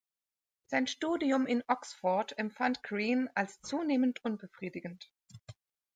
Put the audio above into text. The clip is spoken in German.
Sein Studium in Oxford empfand Green als zunehmend unbefriedigend.